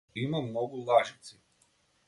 Има многу лажици.